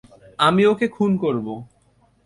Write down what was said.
আমি ওকে খুন করব!